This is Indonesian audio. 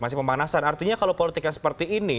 masih pemanasan artinya kalau politik yang seperti ini